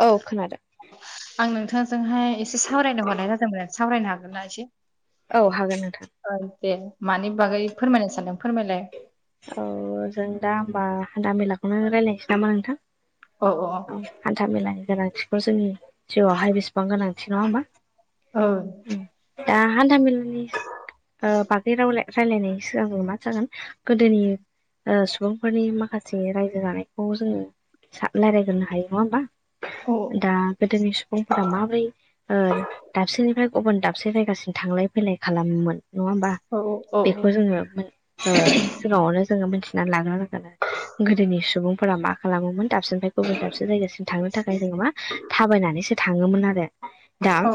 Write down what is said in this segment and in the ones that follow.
औ खोनादों आं नोंथांजोंहाय एसे सावरायनो हरनाय जादोंमोन सावरायनो हागोन ना एसे औ हागोन नोंथां दे मानि बागै फोरमायनो सानदों फोरमायलाय औ जों दा होनबा हानथा मेलाखौनो रायजलायनोसै नामा नोंथां अ अ हानथा मेलानि गोनांथिखौ जोंनि जिउआवहाय बेसेबां गोनांथि नङा होनबा औ दा हानथा मेलानि ओ बागै राव रायलायनायनायनि सिगां मा जागोन गोदोनि ओ सुबुंफोरनि माखासे रायजो जानायखौ जोङो रायज्लायग्रोनो हायो नङा होमबा दा गोदोनि सुबुंफोरा माबोरै ओ दाबसेनिफ्राय गुबुन दाबसे जायगासिम थांलाय फैलाय खालामोमोन नङा होमबा औ बेखौ जोङो ओ सिगाङावनो जोङो मिथिनानै लाग्रो नांगोन गोदोनि सुबुंफोरा मा खालामोमोन दाबसेनिफ्राय गुबुन दाबसे जायगासिम थांनो थाखाय जोङो मा थाबायनानैसो थाङोमोन आरो दा औ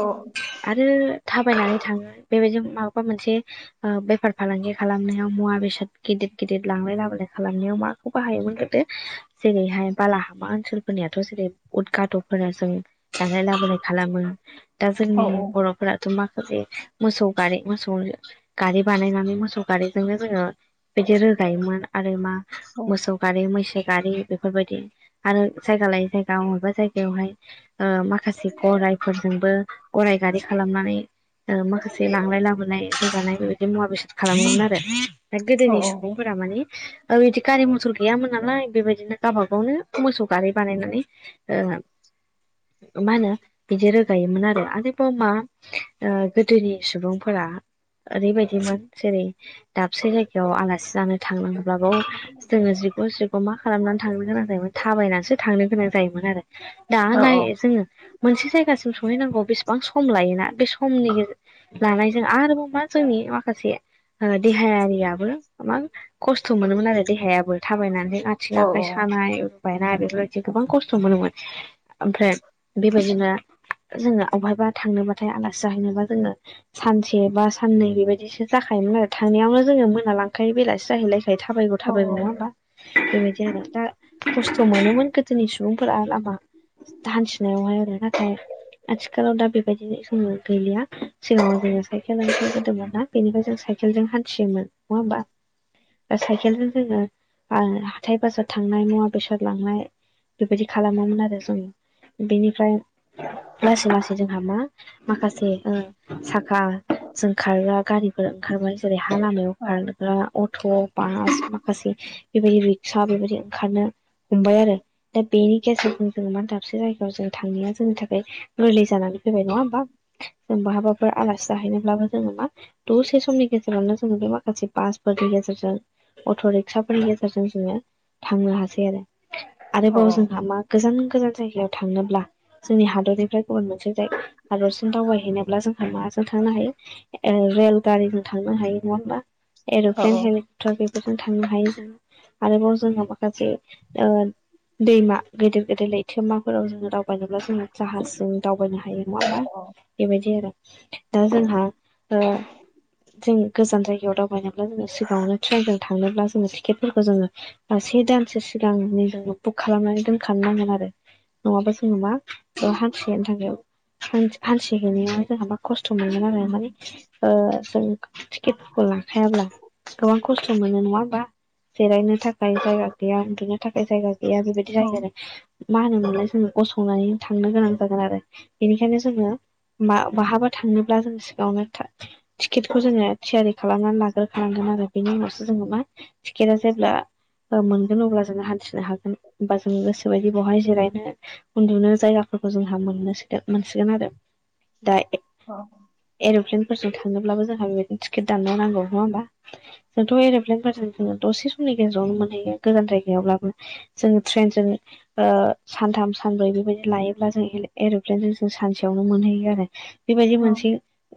आरो थाबायनानै थाङो बेबायदि माबाबा मोनसे बेफार फालांगि खालामनायाव मुवा बेसाद गिदिर गिदिर लांलाय लाबोलाय खालामनायाव माखौ बाहायोमोन गोदो जेरैहाय बालाहामा ओनसोलफोरनियाथ' जेरै उदगाद'फोरा जों लांनाय लाबोनाय खालामो दा औ जोंनि बर' फोराथ' माखासे मोसौ गारि मोसौ गारि बानायनानै मोसौ गारिजोंनो जोङो बिदि रोगायोमोन आरो मा औ मोसौ गारि मैसो गारि बेफोरबायदि आरो जायगा लायै जायगा बबेबा जायगायावहाय ओ माखासे गरायफोरजोंबो गराय गारि खालामनानै ओ माखासे लांलाय लाबोलाय रोगानाय बेबायदि मुवा बेसाद खालामोमोन आरो दा औ गोदोनि सुबुं फोरा माने ओ बिदि गारि मटर गैयामोन नालाय बेबायदिनो गावबा गावनो मोसौ गारि बानायनानै ओ मा होनो बिदि रोगायोमोन आरो आरोबाव मा ओ गोदोनि सुबुंफोरा ओरैबायदिमोन जेरै दाबसे जायगायाव आलासि जानो थांनांगौब्लाबो जोङो जिगु [unintelligible] मा खालामनानै थांनो गोनां जायोमोन थाबायनानैसो थांनो गोनां जायोमोन आरो दा औ नाय औ जोङो मोनसे जायगासिम सहैनांगौ बेसेबां सम लायोना बे समनि लानायजों आरोबाव मा जोंनि माखासे ओ देहायारियाबो मां खस्थ' मोनोमोन आरो देहायाबो थाबायनानै आथिं औ आखाइ सानाय रुबायनाय बेफोरबायदि गोबां खस्थ' मोनोमोन ओमफ्राय बेबायदिनो जोङो अबायबा थांनोबाथाय आलासि जाहैनोबा जोङो सानसे बा साननै बेबायदिसो जाखायोमोन आरो थांनायावनो जोङो मो ना लांखायो बेलासो जाहैलायखायो थाबायगौ औ थाबायगौ नङा ओमबा बेबायदि आरो दा खस्थ' मोनोमोन गोदोनि सुबुंफोरा लामा हान्थिनायावहाय आरो नाथाय आथिखालाव दा बेबायदिनो जोङो गैलिया सिगाङाव जोङो साइकेल ओखारग्रोदोमोना बेनिफ्राय जों साइकेलजों हान्थियोमोन नङा ओमबा साइकेलजों जोङो हाथाइ बाजार थांनाय मुवा बेसाद लांनाय बेबायदि खालामोमोन आरो जों बेनिफ्राय लासै लासै जोंहा मा माखासे ओ साखाजों खारग्रा गारिफोर ओंखारबाय जेरै हा लामायाव खारग्रा अट', बास माखासे बेबायदि रिक्सा बेबायदि ओंखारनो हमबाय आरो दा बेनि गेजेरजों जोङो मा दाबसे जायगायाव जों थांनाया जोंनि थाखाय गोरलै जानानै फैबाय नङा ओमबा जों बहाबाफोर आलासि जाहैनोब्लाबो जोङो मा दसे समनि गेजेरावनो जोङो गोबां माखासे बासफोरनि गेजेरजों अट' रिक्साफोरनि गेजेरजों जोङो थांनो हासै आरो आरोबाव जोंहा मा गोजान गोजान जायगायाव थांनोब्ला जोंनि हादरनिफ्राय गुबुन मोनसे जाय हादरसिम दावबायहैनोब्ला जोंहा माजों थांनो हायो रेल गारिजों थांनो हायो नङा ओमबा औ औ एर'प्लेन हे क्टार बेफोरजों थांनो हायो जोङो आरोबाव जोंहा माखासे ओ दैमा गेदिर गिदिर लैथोमाफोराव जोङो दा- बायनोब्ला जोङो जाहाजजों दावबायनो हायो माबा बेबायदि आरो दा जोंहा ओ जों गोजान जायगायाव दाव बायनोब्ला जोङो सिगाङावनो ट्रेनजों थांनोब्ला जोङो टिकेटफोरखो जोङो से दानसो सिगांनि जोङो बुक खालामनानै दोनखानो नांगोन आरो नङाबा जोङो मा ओ हान्थि हैनो थांनायाव हान्थिहैनायावहाय जोंहा मा खस्थ' मोनो आरो माने ओ जों टिकेटफोरखौ ला खायाब्ला गोबां खस्थ' मोनो नङा ओमबा जिरायनो थाखाय जायगा गैया उन्दुनो थाखाय जायगा गैया बेबायदि जायो आरो मा होनोमोनलाय जोङो गसंनानै थांनो गोनां जागोन आरो बेनिखायनो जोङो मा माहाबा थांनोब्ला जों सिगाङावनो टिकेटखौ जोङो थियारि खाला खालामनानै लाग्रोखांगोन आरो बेनि उनावसो जोङो मा टिकेटआ जेब्ला मोनगोन अब्ला जोङो हान्थिनो हागोन ओमबा जों गोसोबायदि बेहाय जिरायनो उन्दुनो जायगाफोरखौ जोंहा मोनगोन मोनसिगोन आरो दा अ एर'प्लेनफोरजों थांनोब्लाबो जोंहा बेबायदिनो टिकेट दाननो नांगौ नङा होमबा जोंथ' एर'प्लेनफोरजों जोङो दसे समनि गेजेरावनो मोनहैयो गोजान जायगायावब्लाबो जोङो ट्रेनजों सानथाम सानब्रै बेबायदि लायोब्ला जों एर'प्लेनजों जों सानसेयावनो मोनहैयो आरो बेबायदि मोनसे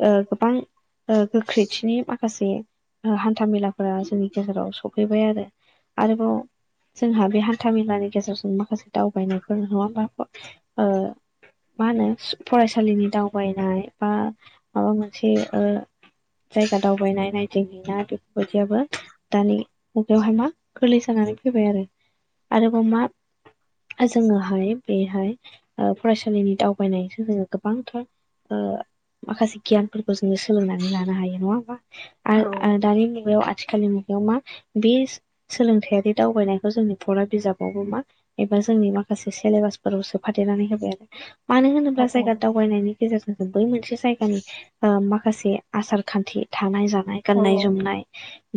ओ गोबां ओ गोख्रैथिनि माखासे हान्था मेलाफोरा जोंनि गेजेराव सफैबाय आरो आरोबाव जोंहा बे हान्था मेलानि गेजेरजों माखासे दावबायनायफोर नङा ओमबा ओ मा होनो फरायसालिनि दावबायनाय बा माबा मोनसे ओ जायगा दावबायनाय नायदिं हैनाय बेफोरबायदियाबो दानि मुगायावहाय मा गोरलै जानानै फैबाय आरो आरोबाव मा जोङोहाय बेहाय फरायसालिनि दावबायनायजों जोङो गोबांथार माखासे गियानफोरखौ जोङो सोलोंनानै लानो हायो नङा होमबा आरो दानिानि मुगयाव आथिखालि मुगायाव मा बि सोलोंथायारि दावबायनायखौ जोंनि फरा बिजाबावबो मा एबा जोंनि माखासे सेलेबास फोराव सोफादेरनानै होबाय आरो मानो होनोब्ला जायगा दावबायनायनि गेजेरजों बै मोनसे जायगानि माखासे आसार खान्थि थानाय जानाय गाननाय जोमनाय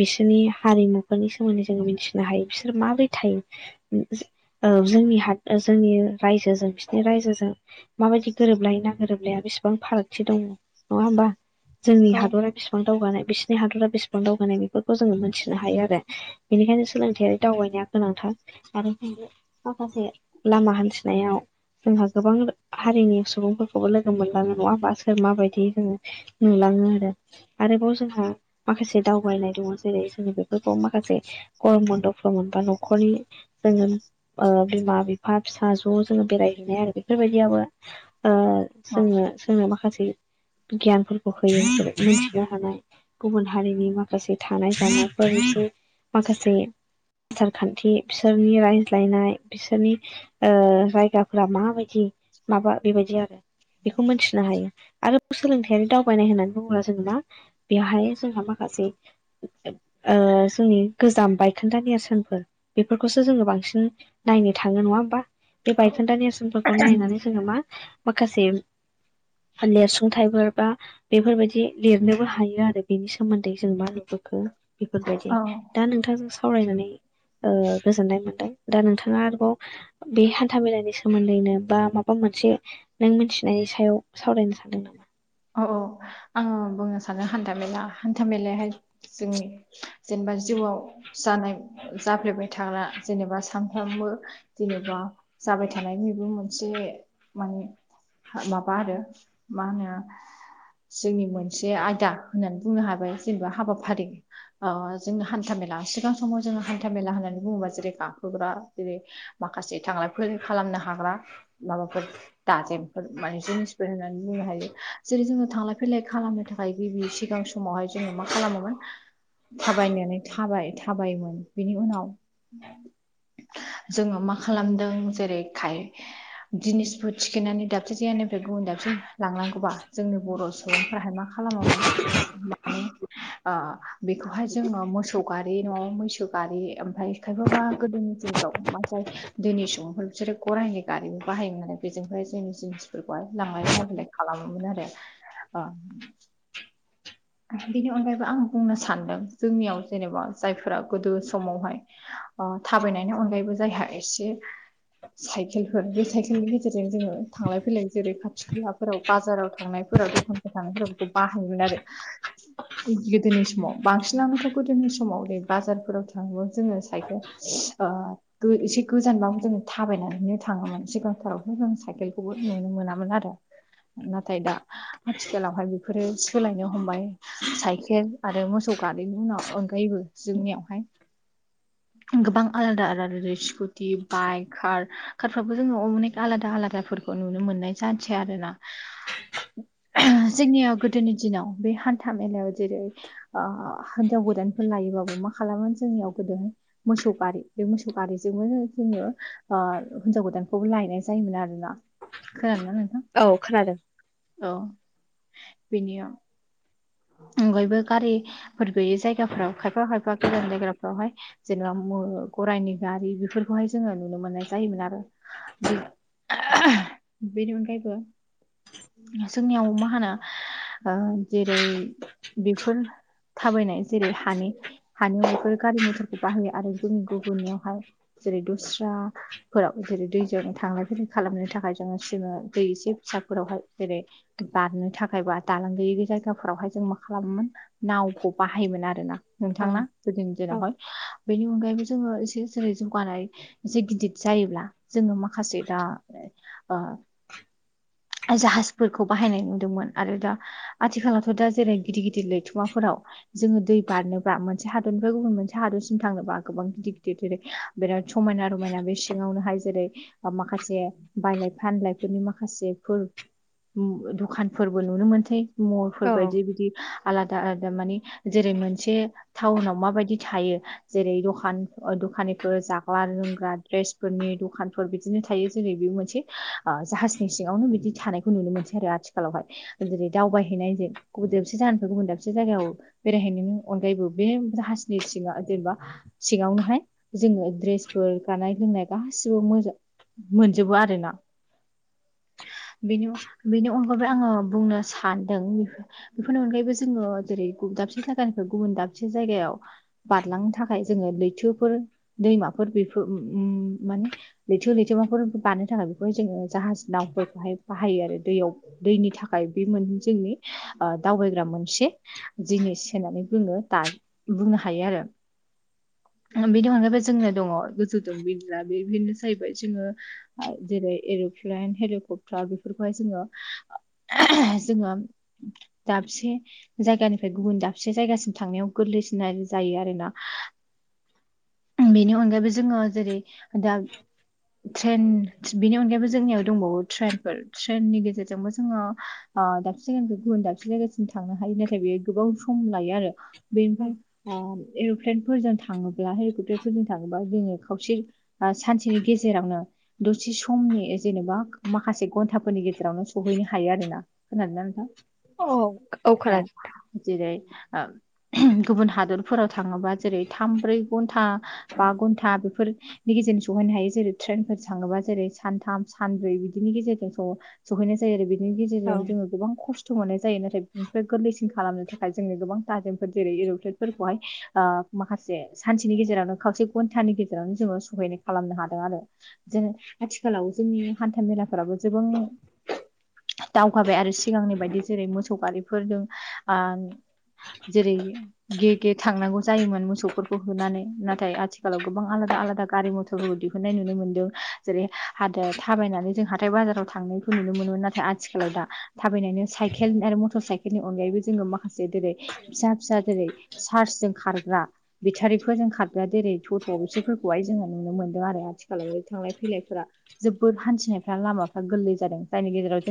बिसोरनि हारिमुफोरनि सोमोन्दै जोङो मिथिनो हायो बिसोर माबोरै थायो जोंनि ह जोंनि रायजोजों बिसोरनि रायजोजों माबायदि गोरोबलायो ना गोरोबलाया बेसेबां फारागथि दङ नङा होमबा जोंनि हादरा बेसेबां दावगानाय बिसिनि हादरा बेसिबां दावगानाय बेफोरखौ जोङो मोनथिनो हायो आरो बेनिखायनो सोलोंथायारि दावबायनाया गोनांथार आरोनो माखासे लामा हान्थिनायाव जोंहा गोबां हारिनि सुबुंफोरखौबो लोगो मोनलाङो नङाहोमबा सोर माबायदि जोङो नुलाङो आरो आरोबाव जोंहा माखासे दावबायनाय दङ जेरै जोंनि बेफोरखौ माखासे गरम बन्दफोराव मोनबा न'खरनि जोङो बिमा बिफा फिसा ज' जोङो बेरायहैनाय आरो बेफोरबायदियाबो ओ [inaudible] जोंनो जोंनो माखासे गियानफोरखौ होयो मिथिया थानाय गुबुन हारिनि माखासे थानाय जानायफोर माखासे आसार खान्थि बिसोरनि रायज्लायनाय बिसोरनि जायगाफोरा माबायदि माबा बेबायदि आरो बेखौ मोनथिनो हायो आरो सोलोंथायारि दावबायनाय होननानै बुङोब्ला जोङ ना बेयावहाय जोंहा माखासे जोंनि गोजाम बायखोन्दा नेरसोनफोर बेफोरखौसो जोङो बांसिन नायनो थाङो नङा होमबा बे औ बायखोन्दा नेरसोनफोरखौ नायनानै जोङो मा माखासे लिरसुंथाइफोर बा बेफोरबायाददि लिरनो बो हायो आरो बेनि सोमोन्दै जों मा नुबोखो बेफोरबायदि औ दा नोंथांजों सावरायनानै ओ गोजोननाय मोनदों दा नोंथाङा आरोबाव बे हान्था मेलानि सोमोन्दैनो बा माबा मोनसे नों मिथिनायनि सायाव सावरायनो सानदों नामा औ औ आङो बुंनो सानो हान्थाामेला हान्था मेलायाहाय जोंनि जेनेबा जिउआव जानाय जाफ्लेबाय थाग्रा जेनेबा सानफ्रामबो जेनेबा जाबाय थानाय बेबो मोनसे माने माबा आरो मा होनो जोंनि मोनसे आयदा होननानै बुंनो हाबाय जेनेबा हाबाफारि जोंनि हान्था मेला सिगां समाव जोङो हान्था मेला होननानै बुङोबा जेरै गाखोग्रा जेरै माखासे थांलाय फैलाय खालामनो हाग्रा माबाफोर दाजेमफोर माने जिनिसफोर होननानै बुंनो हायो जेरै जोङो थांलाय फैलाय खालामनो थाखाय गिबि सिगां समावहाय जोङो मा खालामोमोन थाबायनानै थाबाय थाबायोमोन बेनि उनाव जोङो मा खालामदों जेरै खाय जिनिस ज थिखिनानै दाबसेसे जायानिफ्राय गुबुन दाबसे लांनांगौबा जोंनि बर' सुबुंफोराहाय मा खालामोमोन माने ओ बेखौहाय जोङो मोसौ गारि नंआबा मैसौ गारि ओमफ्राय खायफाबा गोदोनि दिनफ्राव माथाय दैोनि सुबुंफोर बिसोरो गरायाइनि गारिबो बाहायोमोन आरो बेजोंहाय जोंनि जिनिसफोरखौहाय लांलाय लाबोलाय खालामोमोन आरो बेनि अनगायैबो आं बुंनो सानदों जोंनियाव जेनेबा जायफोरा गोदो समावहाय थाबायनायनि अनगायैबो जायहा एसे साइकेलफोर बे साइकेलनि गेजेरजों जोङो थांलाय फैलाय जेरै खाथि खालाफोराव बाजाराव थांनायफोराव दखानफोराव थांनायफोराव बेखौ बाहायोमोन आरो गोदोनि समाव बांसिनानोथ' गोदोनि समाव रै बाजारफोराव थाङौ जोङो साइखेल ओ एसे गोजानबा जों थाबायनानैनो थाङोमोन सिगांथाराव जों साइकेलखौबो नुनो मोनामोन आरो नाथाय दा आथिखालावहाय बेफोरो सोलायनो हमबाय साइकेल आरो मोसौ गारिनि उन अनगायैबो जोंनियावहाय गोबां आलादा आलादा स्कुटि बाइक कार कारफ्राबो जोङो अनेक आलादा आलादाफोरखौ नुनो मोननाय जसै आरो ना जोंनियाव गोदोनि दिनाव बे हान्था मेलायाव जेरै हिनजाव गोदानफोर लायोबाबो मा खालामोमोन जोंनियाव गोदोहाय मोसौ गारि बे मोसौ गारिजोंबो जोङो हिनजाव गोदानखौबो लायनाय जायोमोन आरोना खोनादों ना नोंथां औ खोनादों औ बेनि अनगायबो गारिफोर गैयि जायगाफोराव खायफा खायफा गोजान जायगाफ्रावहाय जेनेबा गरायनि गारि बेफोरखौहाय जोङो नुनो मोननाय जायोमोन आरो बेनि अनगायैबो जोंनियाव मा होनो जेरै बेफोर थाबायनाय जेरै हानि हानायाव बेफोर गारि मथरखौ बाहयो आरो जोंनि गुबुननियावहाय जेरै दस्रा फोराव जेरै दैजों थांलाय फैलाय खालामनो थाखाय जोङो जङो दै एसे फिसाफोरावहाय जेरै बारनो थाखायबा दालां गैयैै जायगाफोरावहाय जों मा खालामोमोन नावखौ बाहायोमोन आरोना औ नोंथांना गोदोनि औ दिनावहाय बेनि अनगायैबो जोङो एसे जेरै जौगानायसे गिदिर जायोब्ला जोङो माखासे दा जाहाजफोरखौ बाहायनाय नुदोंमोन आरो दा आथिखालावथ' दा जेरै गिदिर गिदिर लैथुमाफोराव जोङो दै बारनोबा मोनसे हादरनिफ्राय गुबुन मोनसे हादरसिम थांनोबा गोबां गिदिर गिदिर जेरै बिराद समायना रमायना बे सिङावनोहाय जेरै ब माखासे बायलाय फानलायफोरनि माखासे फोर दखानफोरबो नुनो मोनसै मलफोर औ बायदि बिदि आलादा आलादा मानिे जेरै मोनसे टाउनाव माबायदि थायो जेरै दखान दखानिफोर जाग्रा लोंग्रा द्रेस फोरनि दखानफोर बिदिनो थायो जेरै बे मोनसे जाहाजनि सिङावनो बि बिदि थानायखौ नुनो मोनसै आरो आथिखालावहाय जेरै दावबायहैनायजों गुबुन दाबसे जाहोनफ्राय गुबुन दाबसे जायगायाव बेरायहैनायनिनायनि अनगायैबो बे जाहासनि सिङा जेनेबा सिङावनोहाय जोङो द्रेसफोर गानाय लोंनाय गासिबो मोजां मोनजोबो आरो ना बेनि बेनि अनगायै आङो बुंनो सानदों बेफोरनि अनगायैबो जोङो जेरै दाबसे जायगानिफ्राय गुबुन दाबसे जायगायाव बारलांनो थाखाय जोङो लैथोफोर दैमाफोर बेफोर माने लैथो लैथोमाफोर बारनो थाखाय बेखौहाय जोङो जाहाज नावफोरखौ बेहाय बाहायो आरो दैयाव दैनि थाखाय बे मोन जोंनि दावबायग्रा मोनसे जिनिस होननानै बुङो दा बुंनो हायो आरो बिनि अनगायैबो जोंनो दङ गोजौदों बिरग्रा बेनो जाहैबाय जोङो जेरै एरप्लेन हेलिकप बेफोरखौहाय जोङो जोङो दाबसे जायगानिफ्राय गुबुन दाबसे जायगासिम थांनायाव गोरलैसिन जायो आरोना बेनि अनगायैबो जोङो जेरै दा ट्रेन बिनि अनगायैबो जोंनियाव दंबावो ट्रेन ट्रेननि गेजेरजोंबो जोङो दाबसे जायगानि गुबुन दाबसे जायगासिम थांनो हायो नाथाय बेयो गोबां सम लायो आरो बेनिफ्राय टेरेनफोरजों थाङोब्ला हेलिकपटारफोरजों थाङोबा दिनै खावसे सानसेनि गेजेरावनो दसे समनि जेनेबा माखासे घन्टाफोरनि गेजेरावनो सहैनो हायो आरोना खोनादों ना नोंथां अ औ औ खोनादों नोंथां जेरै गुबुन हादरफोराव थाङोबा जेरै थाम ब्रै घन्टा बा घन्टा बेफोर नि गेजेरजों सहैनो हायो जेरै ट्रेनफोर थाङोबा जेरै सानथाम सानब्रै बिदिनि गेजेरजों सहैनाय जायो आरो बिनि गेजेरजों औ जो गोबां खस्थ' हरनाय जायो नाथाय बेफ्राय गोरलैसिन खालामनो थाखाय जोंङो गोबां दाजिमफोर जेरै इर'प्लेटफोरखौहाय माखासे सानसेनि गेजेरावनो खावसे घन्टानि गेजेरावनो जोङो सहायनाय खालामनो हादों आरो जों आथिखालाव जोंनि हान्था मेलाफ्राबो गोबां दावगाबाय आरो सिगांनि बायदि जेरै मोसौ गारिफोरजों आ जेरै गे गे थांनांगौ जायोमोन मोसौफोरखौ होनानै नाथाय आथिखालाव गोबां आलादा आलादा गारि मथर गथ'फोरखौ दिहुननाय नुनो मोनदों जेरै हाय थाबायनानै जोंहा हाथाइ बाजाराव थांनायखौ नुनो मोनोमोन नाथाय आथिखालाव दा थाबायनो साइकेल आरो मटर साइकेल बेनि अनगायैबो जोङो माखासे जेरै फिसा फिसा जेरै सार्सजों खारग्रा बेटारिफोरजों खारगा जेरै थट बिसोरफोरखौहाय जोङो नुनो मोनदों आरो आथिखालाव थांलाय फैलायफोरा जोबोर हान्थिनायफ्रा लामाफ्रा गोरलै जादों जायनि गेजेराव जों